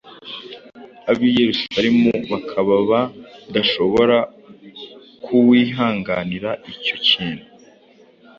Abayislamu bakaba ba dashobora kuwihanganira icyo kintu